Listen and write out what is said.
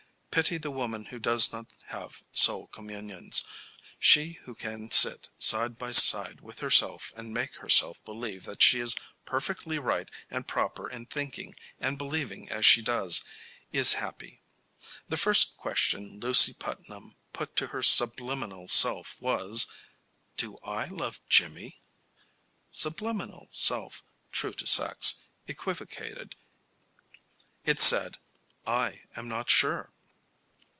Pity the woman who does not have soul communions. She who can sit side by side with herself and make herself believe that she is perfectly right and proper in thinking and believing as she does, is happy. The first question Lucy Putnam put to her subliminal self was: "Do I love Jimmy?" Subliminal self, true to sex, equivocated. It said: "I am not sure."